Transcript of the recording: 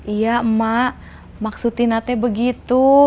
iya emak maksudinatnya begitu